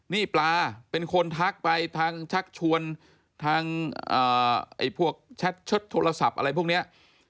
นี่ปลาเป็นคนทักไปทางชักชวนทางพวกแชทเชิดโทรศัพท์อะไรพวกนี้